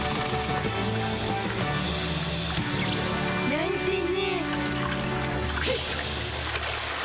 なんてね。